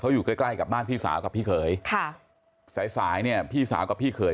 อยู่ใกล้ใกล้กับบ้านพี่สาวกับพี่เขยค่ะสายสายเนี่ยพี่สาวกับพี่เขย